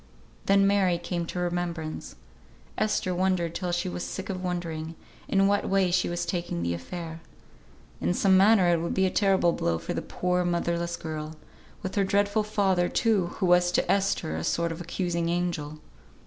Then Mary came to remembrance. Esther wondered till she was sick of wondering, in what way she was taking the affair. In some manner it would be a terrible blow for the poor, motherless girl; with her dreadful father, too, who was to Esther a sort of accusing angel.